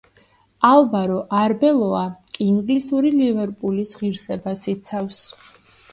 ალვარო არბელოა კი ინგლისური ლივერპულის ღირსებას იცავს.